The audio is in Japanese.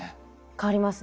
変わりますね。